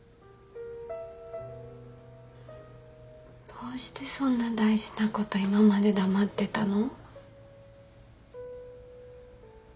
どうしてそんな大事なこと今まで黙ってたの？